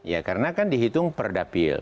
ya karena kan dihitung per dapil